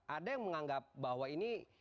ada yang menganggap bahwa ini